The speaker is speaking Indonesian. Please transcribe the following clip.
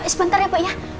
sebentar ya pak ya